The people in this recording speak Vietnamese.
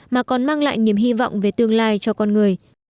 mà còn mang lại niềm hy vọng về tương lai cho con người